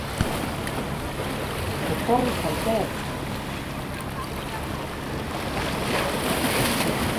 Etorri zaitez!